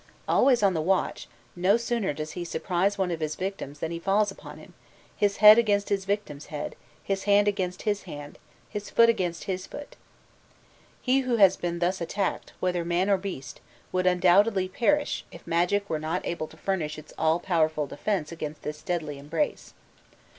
Always on the watch, no sooner does he surprise one of his victims than he falls upon him, "his head against his victim's head, his hand against his hand, his foot against his foot." He who has been thus attacked, whether man or beast, would undoubtedly perish if magic were not able to furnish its all powerful defence against this deadly embrace.